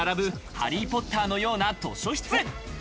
『ハリー・ポッター』のような図書室。